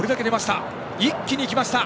一気に来ました！